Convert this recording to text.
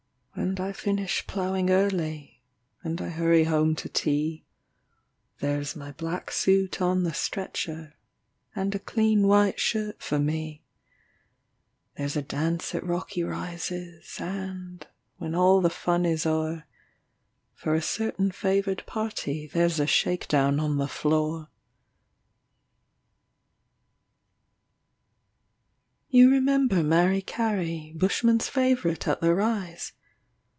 And I finish ploughing early, And I hurry home to tea There's my black suit on the stretcher, And a clean white shirt for me; There's a dance at Rocky Rises, And, when all the fun is o'er, For a certain favoured party There's a shake down on the floor. You remember Mary Carey, Bushmen's favourite at the Rise?